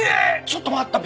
ちょっと待った。